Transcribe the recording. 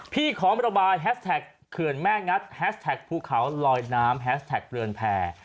ขอระบายแฮสแท็กเขื่อนแม่งัดแฮชแท็กภูเขาลอยน้ำแฮสแท็กเรือนแพร่